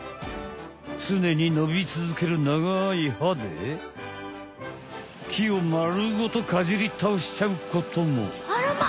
つねにのびつづけるながい歯で木をまるごとかじりたおしちゃうことも。